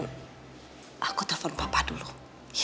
di aku terpulang dulu here